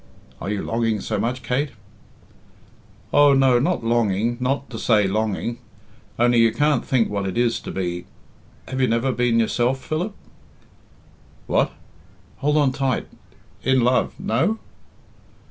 "Are you longing so much, Kate?" "Oh, no, not longing not to say longing. Only you can't think what it is to be... have you never been yourself, Philip?" "What?" "Hold it tight... in love? No?"